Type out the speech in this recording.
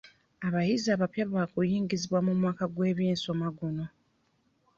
Abayizi abapya baakuyingizibwa mu mwaka gw'ebyensoma guno.